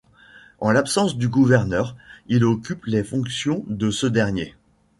En l'absence du gouverneur, il occupe les fonctions de ce dernier.